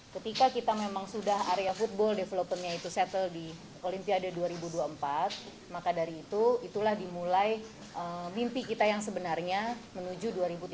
ketika kita memang sudah area football developmentnya itu settle di olimpiade dua ribu dua puluh empat maka dari itu itulah dimulai mimpi kita yang sebenarnya menuju dua ribu tiga puluh